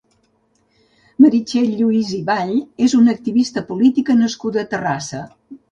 Meritxell Lluís i Vall és una activista política nascuda a Terrassa.